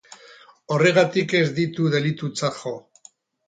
Horregatik, ez ditu delitutzat jo.